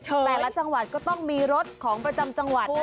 แต่ละจังหวัดก็ต้องมีรถของประจำจังหวัด